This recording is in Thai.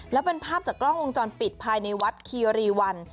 และเป็นภาพจากกล้องวงจรปิดภายในวัดคีรีวัน